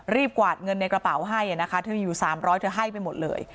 กวาดเงินในกระเป๋าให้นะคะเธอมีอยู่๓๐๐เธอให้ไปหมดเลย